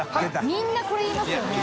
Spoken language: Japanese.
みんなこれ言いますよね？